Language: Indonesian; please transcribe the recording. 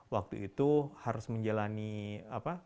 waktu itu harus menjalani perawatan di tempat yang sama